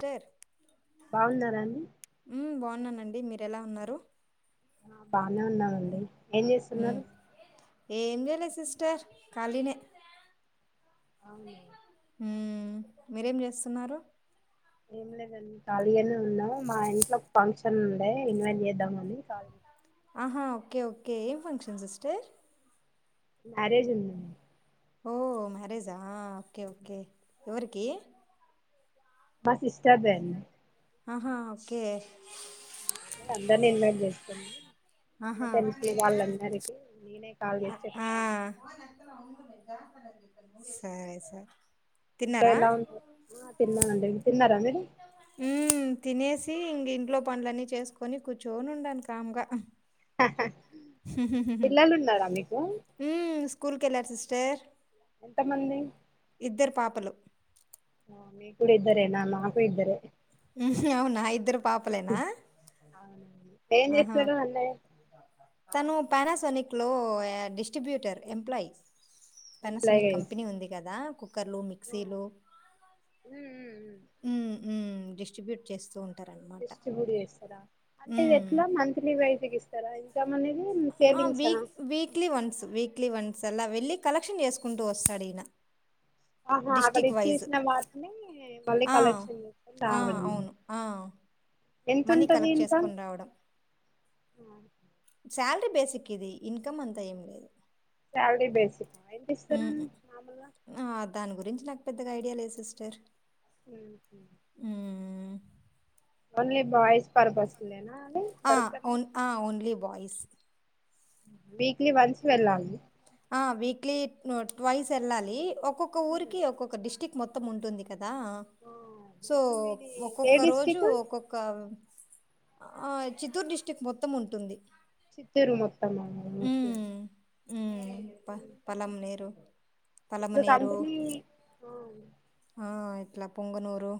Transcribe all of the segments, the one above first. Sir బాగున్నారా అండి ఉమ్ బాగున్నానండి మీరు ఎలా ఉన్నారు ఆ బానే ఉన్నానండీ ఏం ఉమ్ చేస్తున్నారు ఏం జెలే సిస్టర్ కళినే అవును ఉమ్ మీరేం చేస్తున్నారు ఏం లేదండి కాాళీగనే ఉన్నా మా ఇంట్ల ఫంక్షన్ ఉండే ఇన్వైట్ చేద్దామని కా ఆహా ఓకే ఓకే ఏం ఫంక్షన్ సిస్టర్ మ్యారేజ్ ఉంది అండి ఓ మ్యారేజా ఓకే ఓకే ఎవరికి మా సిస్టర్ దే అండి ఆహా ఓకే తల్లీ ఆహా లెటర్ ఇచ్చిన ఓకే వాళ్ళందరికీ నేనే కాల్ ఆ చేసి ఆ, చెప్తా వుంటా సరే సార్ ఇంట్లో ఎలా ఉంది ఆ తిన్నానండి తిన్నారా మీరు ఉమ్మ్ తినేసి ఇంగ ఇంట్లో పండ్లన్నీ చేసుకొని కూర్చొనుండాను కాముగా పిల్లలు ఉన్నారా మీకు మ్మ్ స్కూల్ కి వెళ్లారు సిస్టర్ ఎంతమంది పన్లు ఆ మీకూడేద్ సరేనా నాకు ఇద్దరే ఉహు అవునా ఇద్దరు ఊహు పాపలేనా అవును ఆహా తనూ పనాసోనిక్లో ఆ డిస్ట్రిబ్యూటర్ ఎంప్లయ్ ఎంప్లాయ్ గా పెనసొనిక్ కంపెనీ ఉంది చేస్తారా కదా కుక్కర్లు మిక్సీలు ఉమ్ ఉమ్ ఉమ్ మ్మ్ మ్మ్ డిస్ట్రిబ్యూట్ చేస్తూ ఉన్ డిస్ట్రిబ్యూట్ చేస్తారా అంటే ఇది ఉమ్ ఎట్లా మంత్లీ వైజ్గ్ ఇస్తారా ఇది కమనేది సేవింగ్సా క్లీ వన్స్ అలా వెళ్ళి కలెక్షన్ చేసుకుంటూ వస్తాడీన ఆహా అక్కడ ఇచ్చేసిన వాటినీ మళ్ళీ ఆ కలెక్షన్ చేసుకొని ఆ రావడమే అవును ఆ మనీ ఎంతుంటది కలెక్ట్ ఇన్క చేసుకొని రావడం ఆ సాలరీ బేసిక్ ఇది ఇన్కమ్ అంతా ఏం లేదు శాలరీ బేసికా ఎంత ఊ ఇస్తారని ఉ మామూలుగా ఆ దాని గురించి నాక్ పెద్దగా ఐడియా లేద్ సిస్టర్ ఊహు ఉహ్ ఓన్లీ బాయిస్ పర్ పస్లెనా ఆ ఓన్ ఆ ఓన్లీ బాయ్ వీక్లీ వన్స్ వెళ్ళాలి ఆ వీక్లీ ను ట్వైస్ వెళ్ళాలీ ఒక్కొక్క ఉమ్. ఊరికి ఒక్కొక్క డిస్ట్రిక్ మొత్తం ఉంటుంది కదా దా ఆ సో ఇప్పుడు మీది ఏ ఒక్కొక్క రోజు డిస్టిక్ ఒక్కొక్క ఆ చిత్తూర్ డిస్ట్రిక్ట్ మొత్తం ఉంటుంది చిత్తూరు మొత్తం ఆ ఒకే మ్మ్ ప పలం నీరు ఇప్పుడ్ కంపినీ ఓ ఆ ఇట్లా పొంగనూరు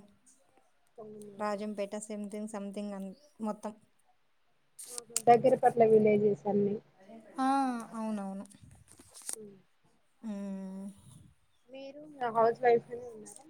పొంగనూరు రాజంపేట సెమ్థింగ్ సంమ్థింగ్ అని మొత్తం ఓహో దగ్గర పట్ల విలేజెస్ అన్ని ఆ అవునవును ఊ మ్మ్ మీరునా హౌస్ వైఫ్ న మేడం